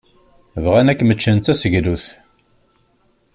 Bɣan ad kem-ččen d taseglut.